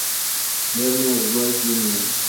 Bernard Glueck, Jr.